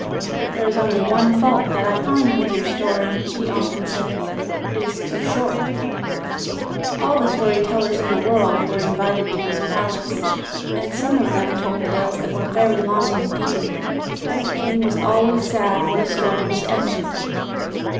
"There is only one fault that I find with your story," he often said: "it is too short." All the story tellers in the world were in vit ed to his palace; and some of them told tales that were very long indeed. But the king was always sad when a story was ended.